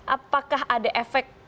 apakah ada efek